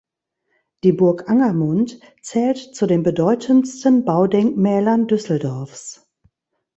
Die Burg Angermund zählt zu den bedeutendsten Baudenkmälern Düsseldorfs.